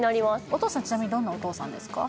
お父さんちなみにどんなお父さんですか？